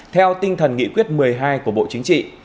theo tinh thần nghị quyết một mươi hai của bộ chính trị